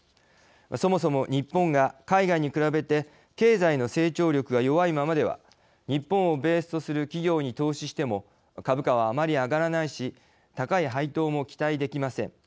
そもそも日本が海外に比べて経済の成長力が弱いままでは日本をベースとする企業に投資しても株価はあまり上がらないし高い配当も期待できません。